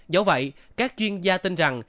dẫu vậy các chuyên gia tin rằng